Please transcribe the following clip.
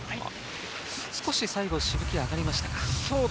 少し最後、しぶきが上がりましたか。